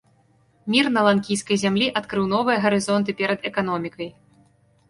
Мір на ланкійскай зямлі адкрыў новыя гарызонты перад эканомікай.